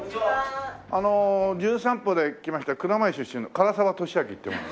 あの『じゅん散歩』で来ました蔵前出身の唐沢寿明っていう者。